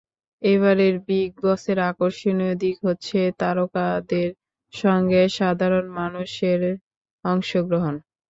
এবারের বিগ বসের আকর্ষণীয় দিক হচ্ছে তারকাদের সঙ্গে সাধারণ মানুষের অংশগ্রহণ।